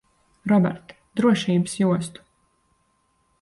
Robert, drošības jostu.